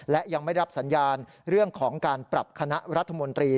และยังไม่รับสัญญาณเรื่องของการปรับคณะรัฐมนตรี